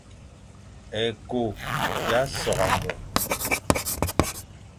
Ékô z a sôrga môr,